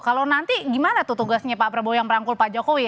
kalau nanti gimana tuh tugasnya pak prabowo yang merangkul pak jokowi